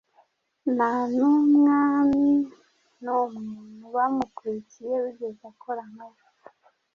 nta n’umwami n’umwe mu bamukurikiye wigeze akora nkawe,